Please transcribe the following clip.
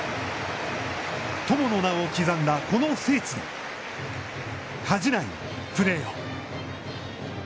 友の名を刻んだ、この聖地で、恥じないプレーを。